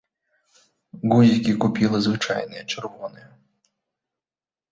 Гузікі купіла звычайныя чырвоныя.